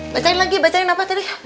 bacain lagi bacain apa tadi